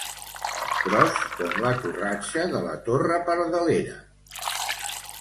Gros com la torratxa de la torre Pardalera.